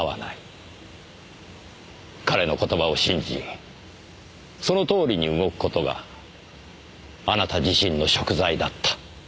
彼の言葉を信じそのとおりに動く事があなた自身の贖罪だった。